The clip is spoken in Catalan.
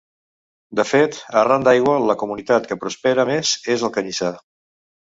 De fet, arran d'aigua la comunitat que prospera més és el canyissar.